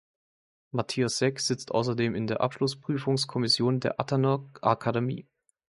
Matiasek sitzt außerdem in der Abschluss-Prüfungskommission der Athanor Akademie.